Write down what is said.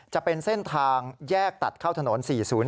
จะเป็นเส้นทางแยกตัดเข้าถนน๔๐๔